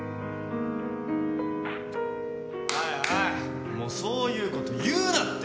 はいはいもうそういうこと言うなって。